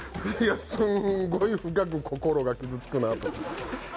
すんごい深く心が傷つくなって。